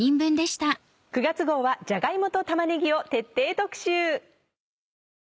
９月号はじゃが芋と玉ねぎを徹底特集。